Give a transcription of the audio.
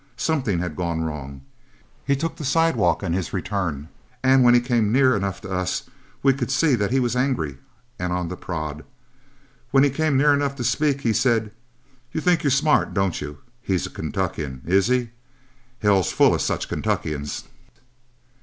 Something had gone wrong. He took the sidewalk on his return, and when he came near enough to us, we could see that he was angry and on the prod. When he came near enough to speak, he said, 'You think you're smart, don't you? He's a Kentuckian, is he? Hell's full of such Kentuckians!'